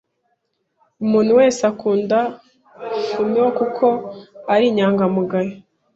Umuntu wese akunda Fumio kuko ari inyangamugayo.